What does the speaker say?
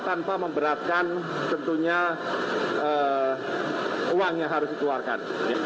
tanpa memberatkan tentunya uang yang harus dikeluarkan